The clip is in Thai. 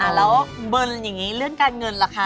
แล้วเบิร์นอย่างนี้เรื่องการเงินล่ะคะ